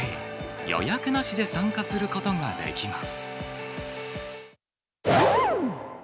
予約なしで参加することができます。